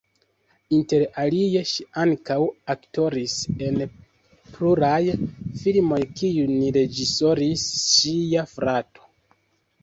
Inter alie ŝi ankaŭ aktoris en pluraj filmoj kiujn reĝisoris ŝia frato.